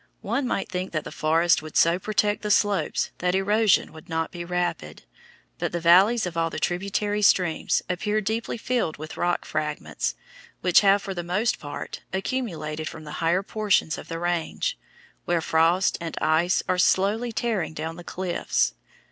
One might think that the forests would so protect the slopes that erosion would not be rapid, but the valleys of all the tributary streams appear deeply filled with rock fragments, which have, for the most part, accumulated from the higher portions of the range, where frost and ice are slowly tearing down the cliffs.